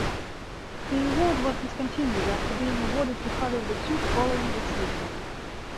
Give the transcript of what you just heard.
The Award was discontinued after being awarded to Pavel Datsyuk following the season.